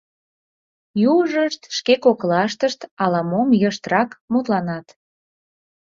Южышт шке коклаштышт ала-мом йыштрак мутланат.